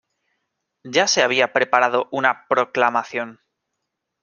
Ya se había preparado una proclamación.